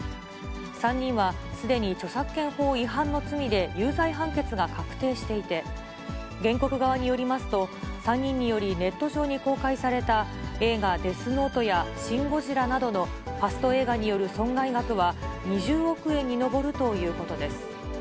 ３人はすでに著作権法違反の罪で有罪判決が確定していて、原告側によりますと、３人によりネット上に公開された映画、デスノートやシン・ゴジラなどのファスト映画による損害額は、２０億円に上るということです。